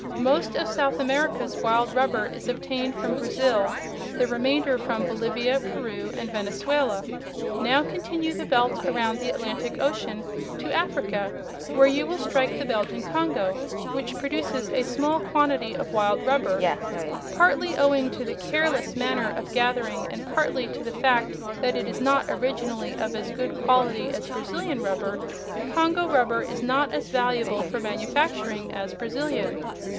Most of South America's wild rubber is obtained from Brazil, the remainder from Bolivia, Peru and Venezuela. Now continue the belt across the Atlantic Ocean to Africa, where you will strike the Belgian Congo which produces a small quantity of wild rubber. Partly owing to the careless manner of gathering and partly to the fact that it is not originally of as good quality as Brazilian rubber, Congo rubber is not as valuable for manufacturing as Brazilian.